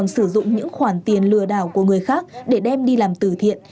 sử dụng những khoản tiền lừa đảo của người khác để đem đi làm tử thiện